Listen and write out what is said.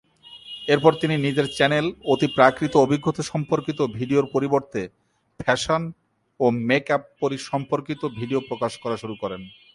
এরপর, তিনি নিজের চ্যানেল অতিপ্রাকৃত অভিজ্ঞতা সম্পর্কিত ভিডিওর পরিবর্তে ফ্যাশন ও মেক আপ সম্পর্কিত ভিডিও প্রকাশ করা শুরু করেন।